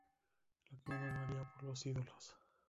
Lo que uno no haría por los ídolos!".